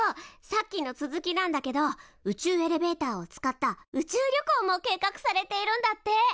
さっきの続きなんだけど宇宙エレベーターを使った宇宙旅行も計画されているんだって！